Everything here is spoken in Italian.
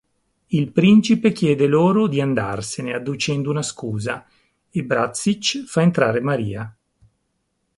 Il principe chiede loro di andarsene adducendo una scusa e Bratsich fa entrare Maria.